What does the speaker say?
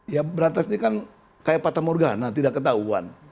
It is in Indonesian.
ya berantas ini kan kayak patah morgana tidak ketahuan